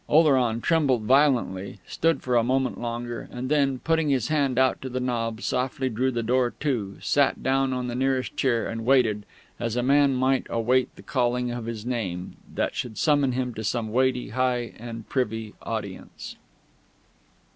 Oleron trembled violently, stood for a moment longer, and then, putting his hand out to the knob, softly drew the door to, sat down on the nearest chair, and waited, as a man might await the calling of his name that should summon him to some weighty, high and privy Audience....